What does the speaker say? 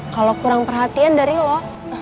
kalo kurang perhatian dari lo